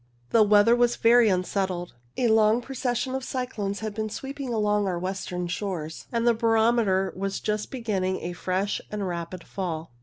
The weather was very unsettled. A long procession of cyclones had been sweeping along our western shores, and the barometer was just beginning a fresh and rapid fall.